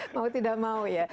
mau tidak mau ya